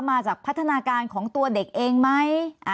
มาจากพัฒนาการของตัวเด็กเองไหม